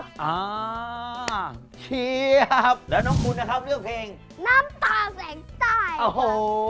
เชียบแล้วน้องคุณนะครับเลือกเพลงน้ำตาแสงใต้โอ้โห